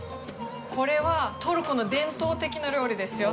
これはトルコの伝統的な料理ですよ。